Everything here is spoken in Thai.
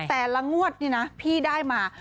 แต่ละงวดนี่นะพี่ได้มา